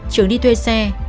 trường đi thuê xe